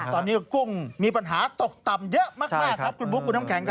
ตอนนี้กุ้งมีปัญหาตกต่ำเยอะมากครับคุณบุ๊คคุณน้ำแข็ง